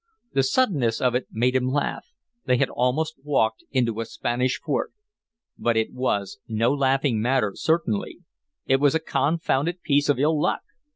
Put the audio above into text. The suddenness of it made him laugh; they had almost walked into a Spanish fort. But it was no laughing matter, certainly; it was a confounded piece of ill luck.